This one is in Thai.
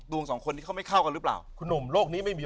สองคนนี้เขาไม่เข้ากันหรือเปล่าคุณหนุ่มโลกนี้ไม่มี